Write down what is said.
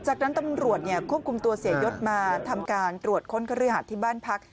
จากนั้นตำรวจควบคุมตัวเสียยศมาทำการตรวจค้นคฤหาสที่บ้านพัก